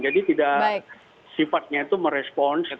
jadi tidak sifatnya itu merespon seperti